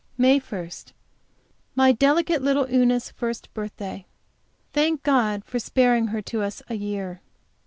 MAY 1. My delicate little Una's first birthday. Thank God for sparing her to us a year.